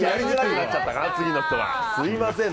すみません。